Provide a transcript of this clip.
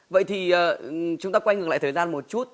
vậy thì chúng ta quay ngược lại thời gian một chút